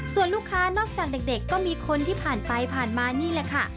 ส่วนลูกค้านอกจากเด็กก็มีคนที่ผ่านไปผ่านมานี่แหละค่ะ